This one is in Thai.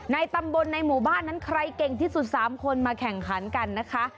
ในตำบลในหมู่บ้านนั้นใครเก่งที่สุด๓คนมาแข่งขันกันนะคะ